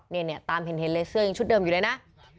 เนี่ยตามเห็นเลยเสื้อยังชุดเดิมอยู่เลยนะ